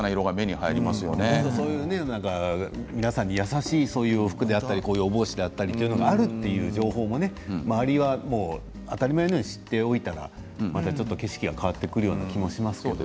そういう皆さんに優しい洋服であったりこういうお帽子だったりという情報を周りが当たり前のように知っておいたらまた景色が変わってくるような気がしますね。